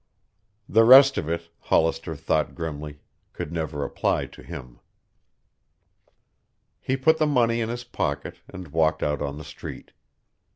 The rest of it, Hollister thought grimly, could never apply to him. He put the money in his pocket and walked out on the street.